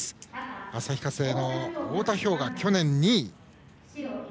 旭化成の太田彪雅、去年２位。